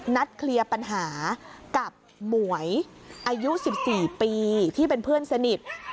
นัดเคลียร์ปัญหากับหมวยอายุ๑๔ปีที่เป็นเพื่อนสนิท